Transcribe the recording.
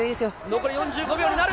残り４５秒になる。